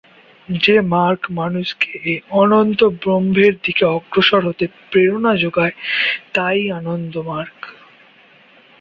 যে মার্গ মানুষকে এ অনন্ত ব্রহ্মের দিকে অগ্রসর হতে প্রেরণা জোগায় তা-ই আনন্দমার্গ।